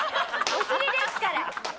お尻ですから。